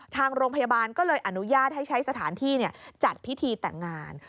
ทางโรงพยาบาลก็เลยอนุญาตให้ใช้สถานที่จัดพิธีแต่งงาน